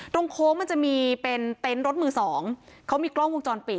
โค้งมันจะมีเป็นเต็นต์รถมือสองเขามีกล้องวงจรปิด